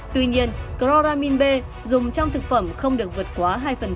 tuy nhiên chloramin b dùng trong thực phẩm không được vượt quá hai